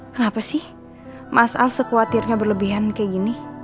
kenapa sih mas al sekwatirnya berlebihan kayak gini